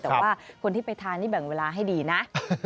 แต่ว่าคนที่ไปทานนี่แบ่งเวลาให้ดีนะ